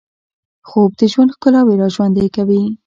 خوب د ژوند ښکلاوې راژوندۍ کوي